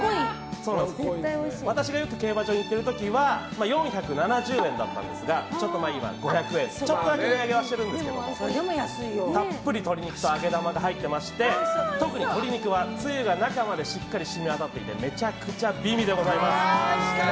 私がよく競馬場に行っていた時は４７０円でしたがちょっとだけ値上げはしているんですがたっぷり鶏肉と揚げ玉が入っていて特に鶏肉はつゆが中までしっかり染みわたってめちゃくちゃ美味でございます。